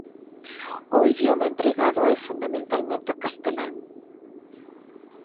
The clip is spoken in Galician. O idioma empregado é fundamentalmente o castelán.